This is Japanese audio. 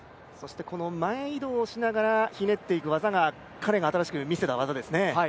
この前移動しながらひねっていく技が彼が新しく見せた技ですね。